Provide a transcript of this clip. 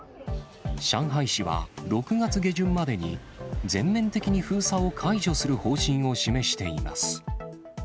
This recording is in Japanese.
上海市は６月下旬までに、全面的に封鎖を解除する方針を示しています。